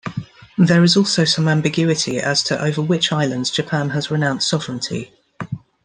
There is also some ambiguity as to over which islands Japan has renounced sovereignty.